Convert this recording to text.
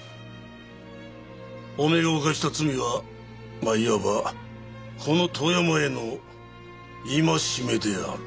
おめえが犯した罪はまいわばこの遠山への戒めである。